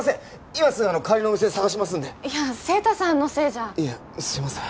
今すぐ代わりのお店探しますんでいや晴太さんのせいじゃいえすいません